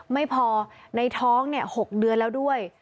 ไม่พอในท้อง๖เดือนแล้วด้วย